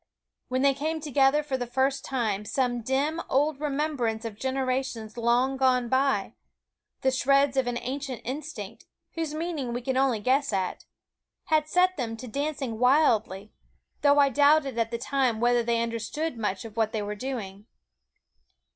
When they came together for the first time some dim old remembrance of generations long gone by the shreds of an ancient instinct, whose meaning we can only guess at had set them to dancing wildly; though I doubted at the time whether they understood much what they were doing.